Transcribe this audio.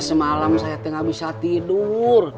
semalam saya tengah bisa tidur